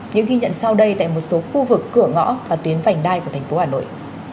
những ghi nhận sau đây tại một số khu vực cửa ngõ và tuyến vành đai của thành phố hà nội